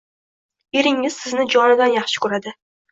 Eringiz sizni jonidan yaxshi ko‘radi.